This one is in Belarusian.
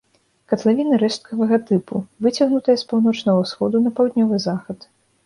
Катлавіна рэшткавага тыпу, выцягнутая з паўночнага ўсходу на паўднёвы захад.